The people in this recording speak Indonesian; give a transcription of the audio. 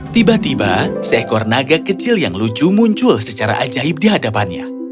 tiba tiba seekor naga kecil yang lucu muncul secara ajaib di hadapannya